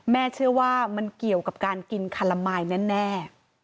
เชื่อว่ามันเกี่ยวกับการกินคาละมายแน่